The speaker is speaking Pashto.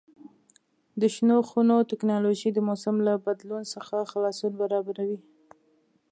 د شنو خونو تکنالوژي د موسم له بدلون څخه خلاصون برابروي.